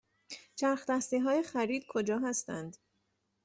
چرخ دستی های خرید کجا هستند؟